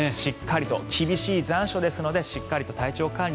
厳しい残暑ですのでしっかりと体調管理。